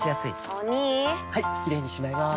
お兄はいキレイにしまいます！